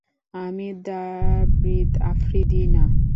আমি দ্রাভিদ, আফ্রিদি না।